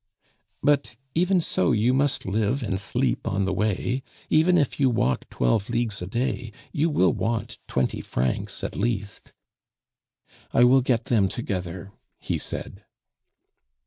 "But even so, you must live and sleep on the way. Even if you walk twelve leagues a day, you will want twenty francs at least." "I will get them together," he said.